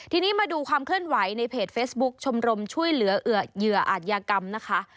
ทีนี้มาดูความเคลื่อนไหวในเพจเฟซบุ๊คชมรมช่วยเหลือเหยื่ออาจยากรรมนะคะ